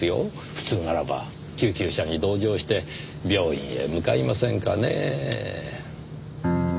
普通ならば救急車に同乗して病院へ向かいませんかねぇ。